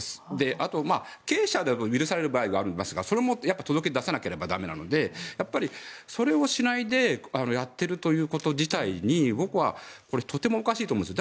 あと、経営者でも許される場合がありますがそれも届け出を出さなければ駄目なのでそれをしないでやっているということ自体に僕はとてもおかしいと思うんです。